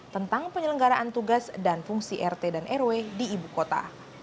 tentang penyelenggaraan tugas dan fungsi rt dan rw di ibu kota